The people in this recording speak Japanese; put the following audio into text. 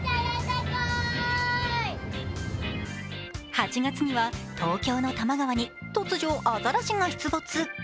８月には東京の多摩川に突如アザラシが出没。